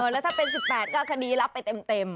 แล้วถ้าเป็น๑๘ก็คดีรับไปเต็ม